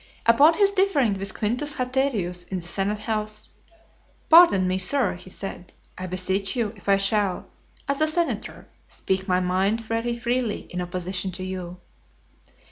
Upon his differing with Quintus Haterius in the senate house, "Pardon me, sir," he said, "I beseech you, if I shall, as a senator, speak my mind very freely in opposition to you."